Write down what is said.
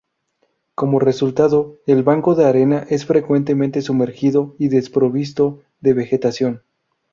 Como resultado, el banco de arena es frecuentemente sumergido y desprovisto de vegetación.